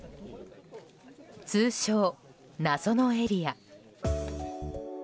通称、謎のエリア。